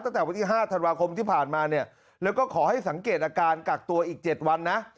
ตั้งแต่วันที่๕ธันวาคมที่ผ่านมาเนี่ยแล้วก็ขอให้สังเกตอาการกักตัวอีก๗วันนะ